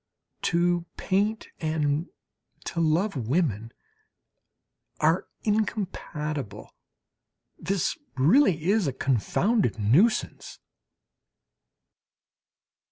To paint and to love women are incompatible. This is really a confounded nuisance!